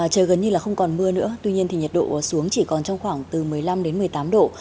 trời gần như là không còn mưa nữa tuy nhiên thì nhiệt độ xuống chỉ còn trong khoảng từ một mươi năm đến một mươi tám độ